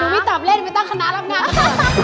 หนูไม่ตามเล่นไปตั้งคณะหลังงานต๒๐๒๓